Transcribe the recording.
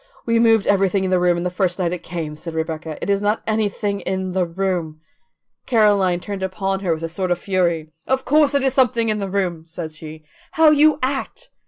"We moved everything in the room the first night it came," said Rebecca; "it is not anything in the room." Caroline turned upon her with a sort of fury. "Of course it is something in the room," said she. "How you act!